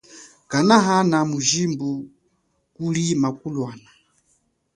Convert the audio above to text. Kanahan mujibu kuli makulwana.